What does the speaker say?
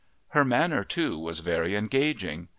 Her manner, too, was very engaging.